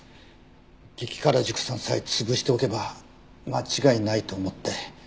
激辛塾さんさえ潰しておけば間違いないと思って。